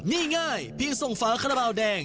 ง่ายเพียงส่งฝาขนาบราวแดง